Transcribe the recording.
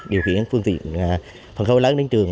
điều khiển phương tiện phần khối lớn đến trường